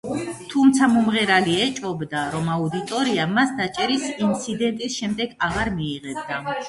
თუმცა მომღერალი ეჭვობდა, რომ აუდიტორია მას დაჭერის ინციდენტის შემდეგ აღარ მიიღებდა.